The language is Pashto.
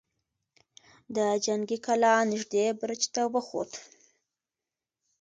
د جنګي کلا نږدې برج ته وخوت.